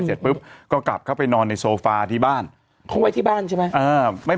เสร็จปุ๊บก็กลับเข้าไปนอนในโซฟาที่บ้านเขาไว้ที่บ้านใช่ไหมอ่าไม่